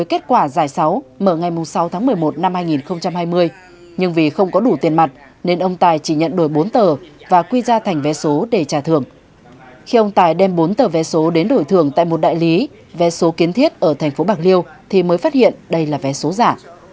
kết quả giải sáu mở ngày sáu tháng một mươi một năm hai nghìn hai mươi nhưng vì không có đủ tiền mặt nên ông tài chỉ nhận đổi bốn tờ và quy ra thành vé số để trả thưởng khi ông tài đem bốn tờ vé số đến đổi thưởng tại một đại lý vé số kiến thiết ở tp bạc liêu thì mới phát hiện đây là vé số giả